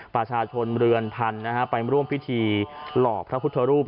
ประชาชนเรือนพันธุ์ไปร่วมพิธีหลอกพระพุทธรูป